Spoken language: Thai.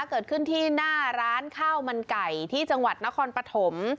เกิดขึ้นที่หน้าร้านข้าวมันไก่ที่จังหวัดนครปฐม